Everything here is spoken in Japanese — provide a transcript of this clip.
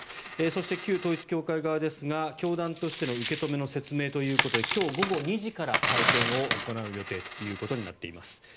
そして、旧統一教会側ですが教団としての受け止めの説明ということで今日午後２時から会見を行う予定ということになっています。